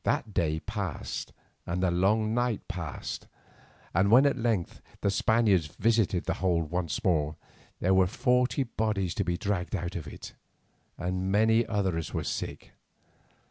That day passed and the long night passed, and when at length the Spaniards visited the hold once more, there were forty bodies to be dragged out of it, and many others were sick.